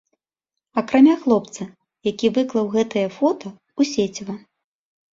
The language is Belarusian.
Акрамя хлопца, які выклаў гэтае фота ў сеціва.